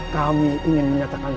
kami ingin menyatakan